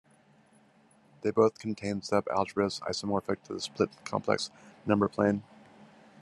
They both contain subalgebras isomorphic to the split-complex number plane.